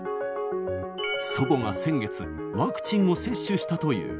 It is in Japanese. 祖母が先月、ワクチンを接種したという。